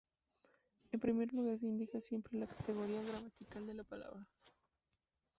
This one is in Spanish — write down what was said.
En primer lugar se indica siempre la categoría gramatical de la palabra.